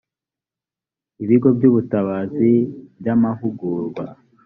ibigo by ubutabazi n iby amahugurwa